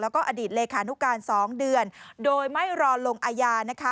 แล้วก็อดีตเลขานุการ๒เดือนโดยไม่รอลงอาญานะคะ